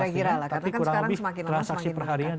ya kira kira lah karena kan sekarang semakin lama semakin makan